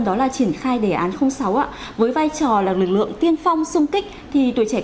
đó là triển khai đề án sáu với vai trò là lực lượng tiên phong xung kích